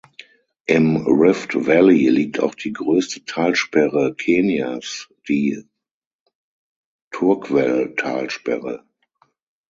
Im Rift Valley liegt auch die größte Talsperre Kenias, die Turkwel-Talsperre.